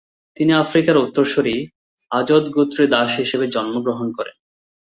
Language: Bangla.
তিনি আফ্রিকার উত্তরসুরি, আজদ গোত্রে দাস হিসেবে জন্মগ্রহণ করেন।